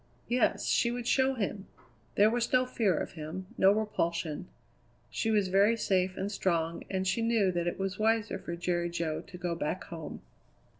Yes, she would show him! There was no fear of him; no repulsion. She was very safe and strong, and she knew that it was wiser for Jerry Jo to go back home.